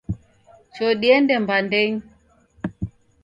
Choo diende mbandenyi.